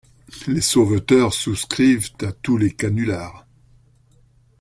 Les sauveteurs souscrivent à tous les canulars.